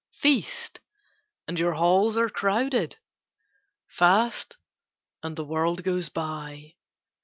Feast, and your halls are crowded; Fast, and the world goes by.